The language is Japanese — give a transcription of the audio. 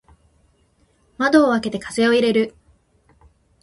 窓を開けて風を入れる。